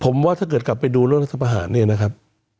ผมว่าถ้าเกิดกลับไปดูรัฐพาหารเนี่ยนะครับ